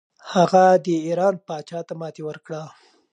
هغه د ایران پاچا ته ماتې ورکړه.